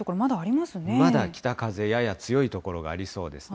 まだ北風やや強い所がありそうですね。